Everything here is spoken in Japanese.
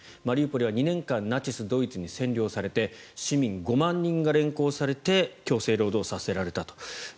マリウポリは２年間ナチス・ドイツに占領されて市民５万人が連行されて強制労働させられたと。